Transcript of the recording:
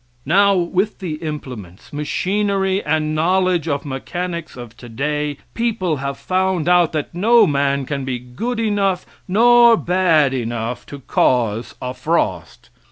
Now, with the implements, machinery and knowledge of mechanics of today, people have found out that no man can be good enough nor bad enough to cause a frost.